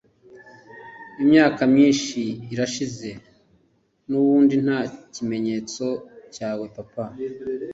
Imyaka myinshi irashize Nubundi nta kimenyetso cyawe Papa